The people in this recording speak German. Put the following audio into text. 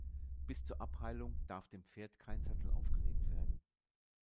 Bis zur Abheilung darf dem Pferd kein Sattel aufgelegt werden.